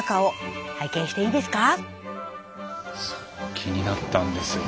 気になったんですよ